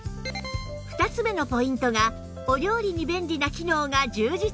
２つ目のポイントがお料理に便利な機能が充実！